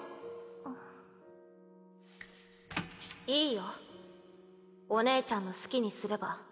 んっいいよお姉ちゃんの好きにすれば。